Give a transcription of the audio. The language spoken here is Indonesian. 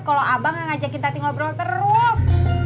kalau abang gak ngajakin tati ngobrol terus